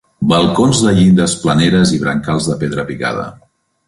Balcons de llindes planeres i brancals de pedra picada.